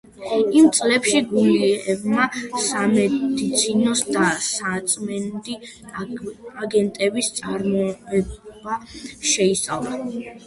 იმ წლებში გულიევმა სამედიცინო და საწმენდი აგენტების წარმოება შეისწავლა.